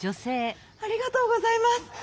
ありがとうございます。